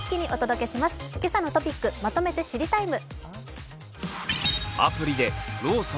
「けさのトピックまとめて知りＴＩＭＥ，」